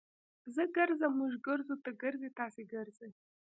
زه ګرځم. موږ ګرځو. تۀ ګرځې. تاسي ګرځئ.